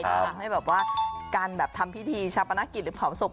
แต่ล่ะให้แบบว่าการทำพิธีชรับปรรรณกิจหรือผอมศพ